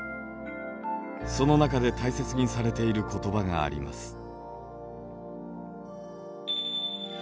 その中で大切にされている言葉があります。